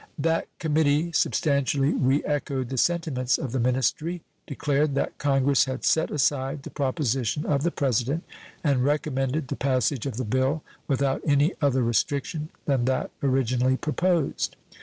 That committee substantially re echoed the sentiments of the ministry, declared that Congress had set aside the proposition of the President, and recommended the passage of the bill without any other restriction than that originally proposed.